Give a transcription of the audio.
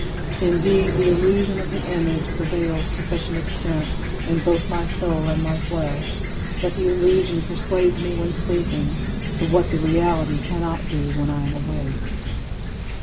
Indeed, the illusion of the image prevails to such an extent, in both my soul and my flesh, that the illusion persuades me when sleeping to what the reality cannot do when I am awake.